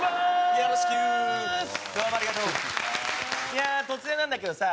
いやあ突然なんだけどさ。